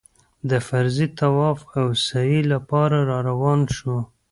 د فرضي طواف او سعيې لپاره راروان شوو.